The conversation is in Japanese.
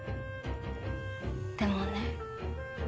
でもね。